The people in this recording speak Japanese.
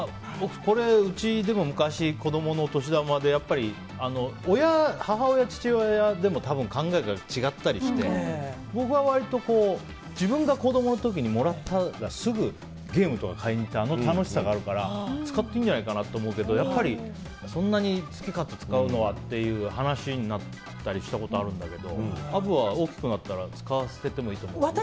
うちでも昔、子供のお年玉でやっぱり母親、父親でも考えが違ったりして、僕は割と自分が子供の時にもらったらすぐゲームとか買いに行ったりするあの楽しさがあるから使っていいんじゃないかなと思うけど、そんなに好き勝手使うのはっていう話になったりしたことあるんだけどアブは大きくなったら使わせてもいいと思う？